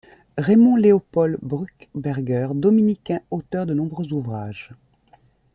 Raymond Léopold Bruckberger, dominicain, auteur de nombreux ouvrages.